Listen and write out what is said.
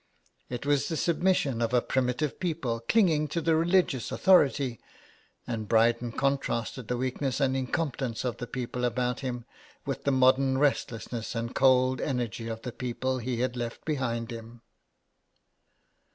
It was the submission of a primitive people clinging to religious authority, and Bryden contrasted the weakness and incompetence of the people about 1 66 HOME SICKNESS. him with the modern restlessness and cold energy of the people he had left behind him.